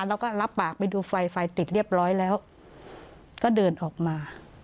แล้วก็รับปากไปดูไฟไฟติดเรียบร้อยแล้วก็เดินออกมา